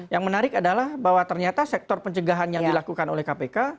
yang menarik adalah bahwa ternyata sektor pencegahan yang dilakukan oleh kpk